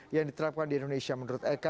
yang diterapkan di indonesia menurut eka